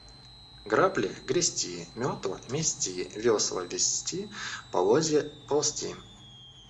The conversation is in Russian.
Грабли – грести, метла – мести, весла – везти, полозья – ползти.